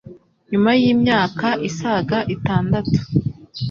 Nyuma y'imyaka isaga itandatu